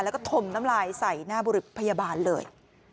แล้วก็ถมน้ำลายใส่หน้าบุรุษพยาบาลเลย